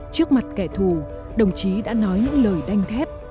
trước mặt kẻ thù đồng chí đã nói những lời đanh thép